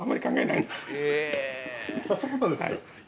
そうなんですか。